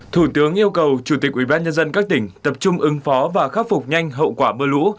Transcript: thủ tướng yêu cầu chủ tịch ủy ban nhân dân các tỉnh tập trung ứng phó và khắc phục nhanh hậu quả mưa lũ